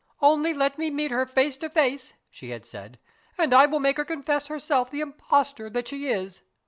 "Only let me meet her face to face" (she had said), "and I will make her confess herself the impostor that she is!"